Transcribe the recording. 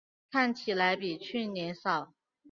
看起来比去年少